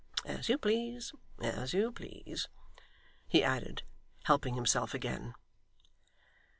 as you please, as you please,' he added, helping himself again.